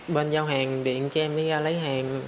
bên giao hàng điện cho em mới ra lấy hàng